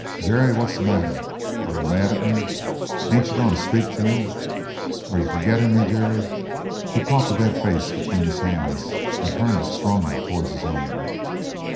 "Jerry, what's the matter? Are you mad at me? Ain't you going to speak to me? Are you forgettin' me, Jerry?" He caught the dead face between his hands and turned it strongly towards his own.